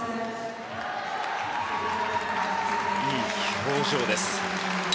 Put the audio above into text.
いい表情です。